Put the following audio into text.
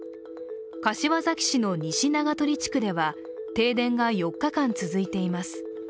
柏崎市の西長鳥地区では停電が４日間続いています。